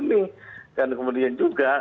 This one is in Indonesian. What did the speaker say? dan kemudian juga